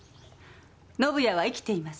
宣也は生きています。